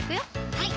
はい